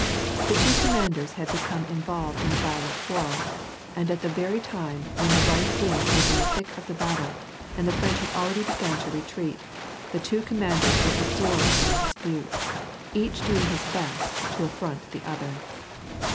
The two commanders had become involved in a violent quarrel, and at the very time when the right wing was in the. thick oif the battle, and the French had already begun to re treat, the two commanders were absorbed in a dispute, each doing his best to affront the other.